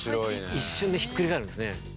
一瞬でひっくり返るんですね。